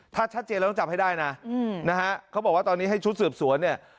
ถ้าชัดเจนเราต้องจับให้ได้นะนะฮะเขาบอกว่าตอนนี้ให้ชุดสืบสวนเนี่ย